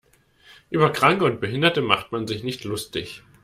Über Kranke und Behinderte macht man sich nicht lustig.